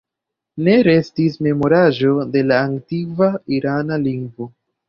Ne restis memoraĵo de la antikva irana lingvo.